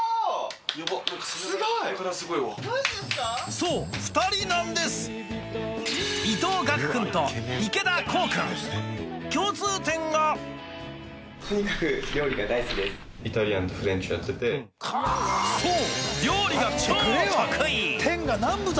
そう２人なんです共通点がそう！